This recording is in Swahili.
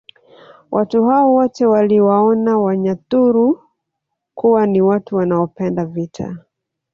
Watu hao wote waliwaona Wanyaturu kuwa ni watu wanaopenda vita